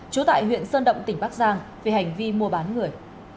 chú tại huyện sơn động tỉnh bắc giang vì hành vi mua bán người